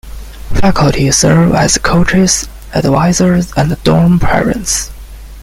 Faculty serve as coaches, advisors, and dorm parents.